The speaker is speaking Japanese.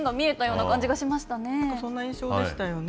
なんか、そんな印象でしたよね。